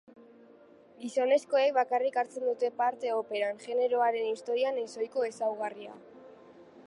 Gizonezkoek bakarrik hartzen dute parte operan, jeneroaren historian ez-ohiko ezaugarria.